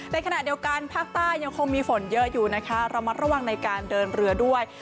ในขณะเดียวกันภาคใต้ยังคงมีฝนเยอะอยู่นะคะระมัดระวังในการเดินเรือด้วย